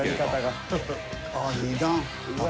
ああ２段。